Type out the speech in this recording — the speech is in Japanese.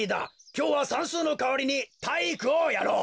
きょうはさんすうのかわりにたいいくをやろう。